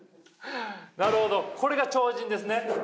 なるほどこれが超人ですね。